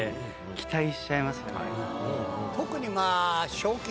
特にまぁ。